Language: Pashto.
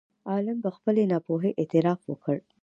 عالم په خپلې ناپوهۍ اعتراف وکړ.